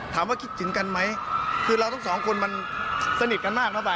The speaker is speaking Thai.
ถามว่าคิดถึงกันไหมคือเราทั้งสองคนมันสนิทกันมากเท่าไหร่